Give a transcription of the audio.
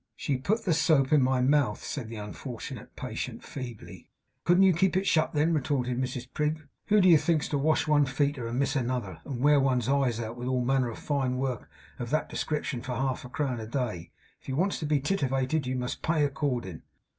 'She put the soap in my mouth,' said the unfortunate patient feebly. 'Couldn't you keep it shut then?' retorted Mrs Prig. 'Who do you think's to wash one feater, and miss another, and wear one's eyes out with all manner of fine work of that description, for half a crown a day! If you wants to be tittivated, you must pay accordin'.